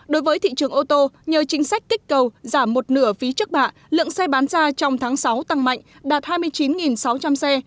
đối với thị trường ô tô nhờ chính sách kích cầu giảm một nửa phí chất bạ lượng xe bán ra trong tháng sáu tăng mạnh đạt hai mươi chín sáu trăm linh xe